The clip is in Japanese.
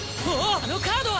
あのカードは！？